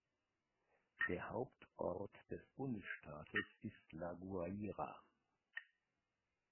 Der Hauptort des Bundesstaates ist La Guaira.